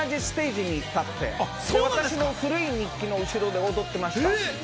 おんなじステージに立って、私の『古い日記』の後ろで踊ってました。